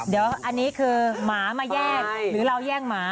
เดี๋ยวอันนี้คือหมามาแย่งหรือเราแย่งหมา